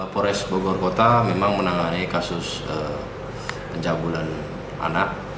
polresta bogor kota memang menangani kasus penjabulan anak